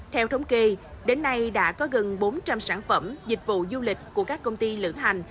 theo thống kê đến nay đã có gần bốn trăm linh sản phẩm dịch vụ du lịch của các công ty lửa hành